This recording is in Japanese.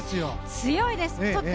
強いです。